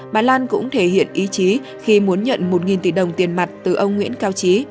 bà lan cũng thể hiện ý chí khi muốn nhận một tỷ đồng tiền mặt từ ông nguyễn cao trí